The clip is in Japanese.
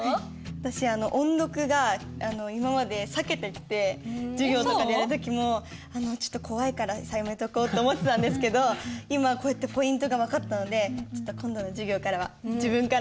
私音読が今まで避けてきて授業とかでやる時もちょっと怖いからやめとこうと思ってたんですけど今こうやってポイントが分かったので今度の授業からは自分から手を挙げて音読したいと思います。